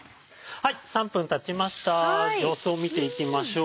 ３分たちました様子を見ていきましょう。